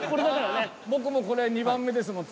僕もうこれ２番目ですもん